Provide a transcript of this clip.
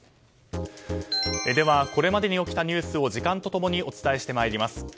では、これまでに起きたニュースを時間と共にお伝えしてまいります。